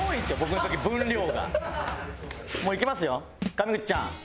上口ちゃん。